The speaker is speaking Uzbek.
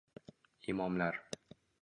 Imomlar.